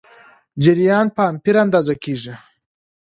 جریان په امپیر اندازه کېږي.